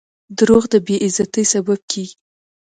• دروغ د بې عزتۍ سبب کیږي.